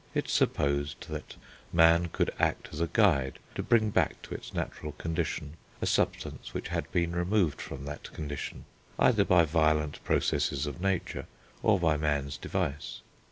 It supposed that man could act as a guide, to bring back to its natural condition a substance which had been removed from that condition, either by violent processes of nature, or by man's device.